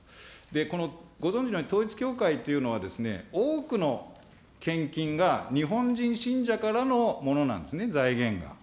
このご存じのように、統一教会というのは多くの献金が日本人信者からのものなんですね、財源が。